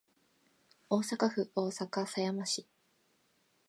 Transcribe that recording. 大阪府大阪狭山市